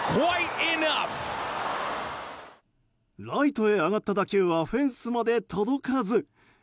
ライトへ上がった打球はフェンスまで届かず。